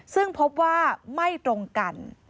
ซึ่งพบว่าไม่ตรงกัน